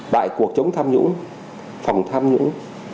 bại cuộc chống tham nhũng phòng tham nhũng